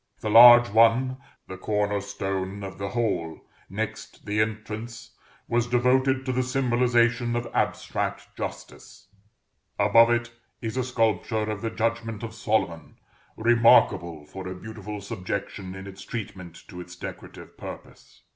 The large one, the corner stone of the whole, next the entrance, was devoted to the symbolisation of Abstract Justice; above it is a sculpture of the Judgment of Solomon, remarkable for a beautiful subjection in its treatment to its decorative purpose.